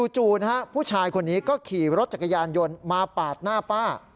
จู่ผู้ชายคนนี้ก็ขี่รถจักรยานยนต์มาปาดหน้าป้า